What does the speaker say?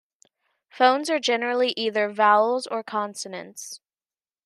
Phones are generally either vowels or consonants.